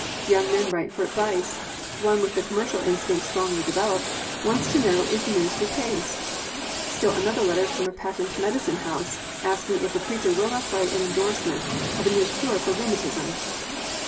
Young men write for advice: One with the commercial instinct strongly developed, wants to know if the ministry pays? Still another letter is from a patent medicine house, asking if the preacher will not write an endorsement of a new cure for rheumatism.